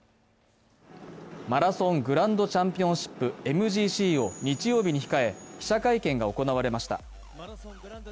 マラソングランドチャンピオンシップ＝ＭＧＣを日曜日に控え、記者会見が行われました。